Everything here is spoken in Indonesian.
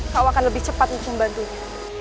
kau akan lebih cepat mencumbantunya